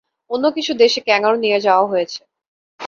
অন্য কিছু দেশে ক্যাঙ্গারু নিয়ে যাওয়া হয়েছে।